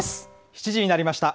７時になりました。